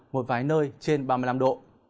một vài nơi trên ba mươi năm độ